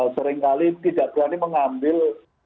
seringkali tidak berani mengambil